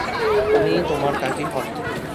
উনি তোমার কাকি হন।